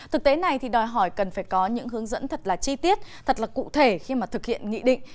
thực tế này đòi hỏi cần phải có những hướng dẫn thật chi tiết thật cụ thể khi thực hiện nghị định